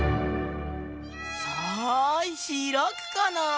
さあひらくかなぁ？